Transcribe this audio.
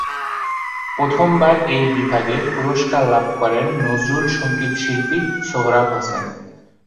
প্রথমবার এই বিভাগে পুরস্কার লাভ করেন নজরুল সঙ্গীতশিল্পী সোহরাব হোসেন।